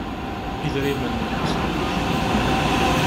Idrimen sderwicen.